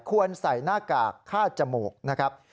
ควรใส่หน้ากากคาดจมูกนะครับ